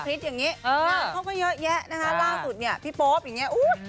สาธิตอย่างนี้เขาก็เยอะแยะนะครับล่าวสุดเนี่ยพี่โป๊ปอย่างเงี้ย